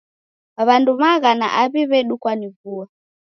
W'andu maghana aw'I w'edukwa ni vua.